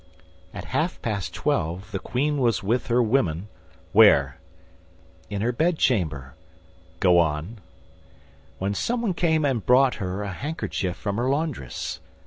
"At half past twelve the queen was with her women—" "Where?" "In her bedchamber—" "Go on." "When someone came and brought her a handkerchief from her laundress."